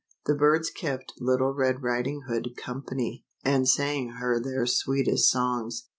The birds kept Little Red Riding Hood company, and sang her their sweetest songs.